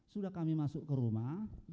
sudah kami masuk ke rumah